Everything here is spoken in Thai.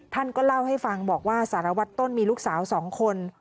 ท่านก็เล่าให้ฟังบอกว่าสารวัตรต้นมีลูกสาว๒คน